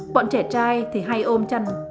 bọn trẻ trai thì hay ôm chân